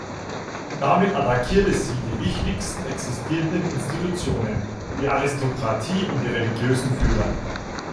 Damit attackierte sie die wichtigsten existierenden Institutionen, die Aristokratie und die religiösen Führer.